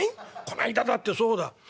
こないだだってそうだ。